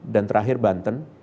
dan terakhir banten